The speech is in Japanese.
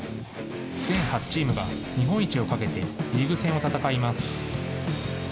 全８チームが日本一をかけてリーグ戦を戦います。